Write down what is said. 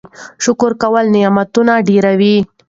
شکر کول نعمتونه ډیروي.